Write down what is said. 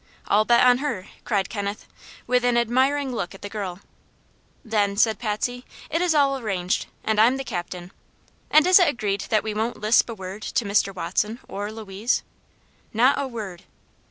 "I'll bet on her," cried Kenneth, with an admiring look at the girl. "Then," said Patsy, "it is all arranged, and I'm the captain. And is it agreed that we won't lisp a word to Mr. Watson or Louise?" "Not a word."